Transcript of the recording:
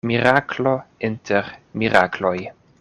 Miraklo inter mirakloj.